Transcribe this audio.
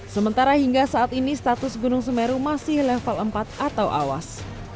sementara hingga saat ini status gunung semeru masih level empat atau awas